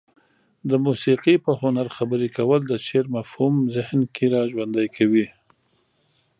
د موسيقي په هنر خبرې کول د شعر مفهوم ذهن کې را ژوندى کوي.